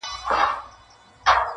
دلته جنګونه کیږي!.